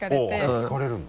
それ聞かれるんだ。